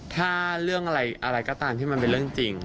ถ้าเรื่องอะไรก็ตามที่มันเป็นเรื่องจริง